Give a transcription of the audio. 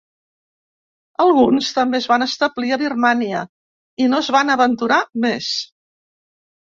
Alguns també es van establir a Birmània i no es van aventurar més.